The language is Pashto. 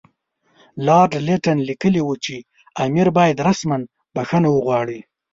لارډ لیټن لیکلي وو چې امیر باید رسماً بخښنه وغواړي.